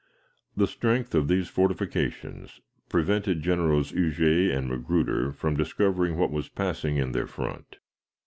The strength of these fortifications prevented Generals Huger and Magruder from discovering what was passing in their front.